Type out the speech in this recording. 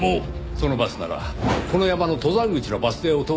そのバスならこの山の登山口のバス停を通るはずです。